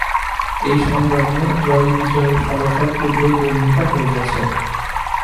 এ সংগ্রামে জয়বিজয়ের ফলাফল পূর্বেই বর্ণিত হইয়াছে।